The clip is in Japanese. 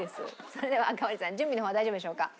それでは赤堀さん準備の方は大丈夫でしょうか？